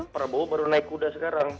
prabowo baru naik kuda sekarang